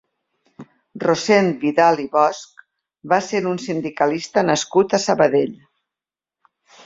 Rossend Vidal i Bosch va ser un sindicalista nascut a Sabadell.